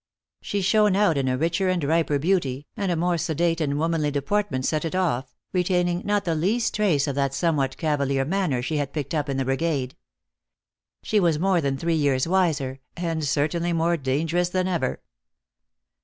She shone out in a richer and riper beauty, and a more sedate and womanly deportment set it off, retaining not the least trace of that somewhat cavalier manner she had picked up in the brigade. She was more than three years wiser, and certainly more dangerous than ever.